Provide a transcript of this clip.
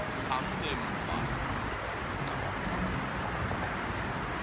どうもココリコ田中です